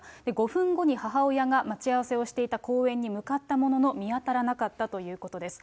５分後に母親が待ち合わせをしていた公園に向かったものの、見当たらなかったということです。